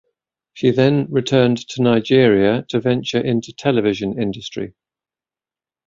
She then returned to Nigeria to venture into television industry.